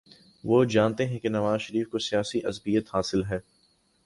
وہ جانتے ہیں کہ نواز شریف کو سیاسی عصبیت حاصل ہے۔